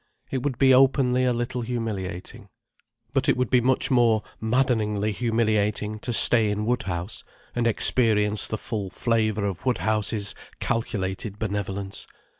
It would be openly a little humiliating. But it would be much more maddeningly humiliating to stay in Woodhouse and experience the full flavour of Woodhouse's calculated benevolence.